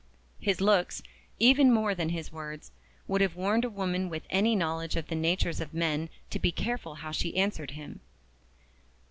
His looks, even more than his words, would have warned a woman with any knowledge of the natures of men to be careful how she answered him.